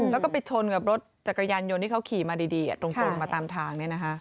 แล้วก็ไปชนกับรถจักรยานยนต์ที่เขาขี่มาดีตรงมาตามทาง